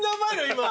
今。